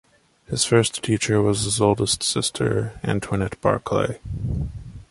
His first teacher was his oldest sister, Antoinette Barclay.